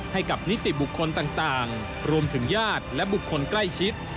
ให้กับนิติบุคคลต่างรวมถึงญาติและบุคคลใกล้ชิด